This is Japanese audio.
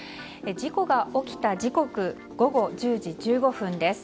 事故が起きた時刻午後１０時１５分です。